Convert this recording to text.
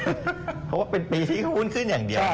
เพราะว่าเป็นปีที่หุ้นขึ้นอย่างเดียว